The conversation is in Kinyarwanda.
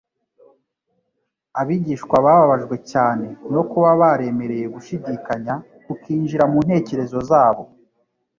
Abigishwa bababajwe cyane no kuba baremereye gushidikanya kukinjira mu ntekerezo zabo,